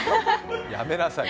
やめなさい。